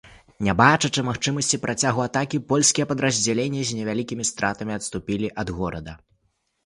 Не бачачы магчымасці працягу атакі, польскія падраздзяленні з невялікімі стратамі адступілі ад горада.